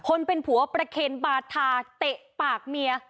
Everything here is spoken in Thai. เป็นผัวประเคนบาทาเตะปากเมีย